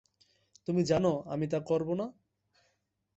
তুমি জানো আমি তা করব না।